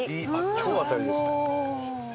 超当たりですね。